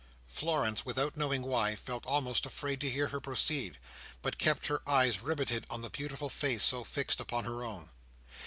Florence, without knowing why, felt almost afraid to hear her proceed, but kept her eyes riveted on the beautiful face so fixed upon her own.